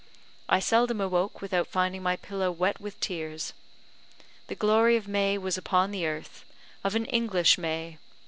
I seldom awoke without finding my pillow wet with tears. The glory of May was upon the earth of an English May.